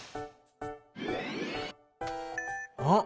あっ！